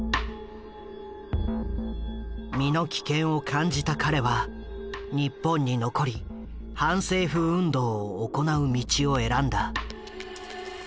身の危険を感じた彼は日本に残り反政府運動を行う道を選んだ。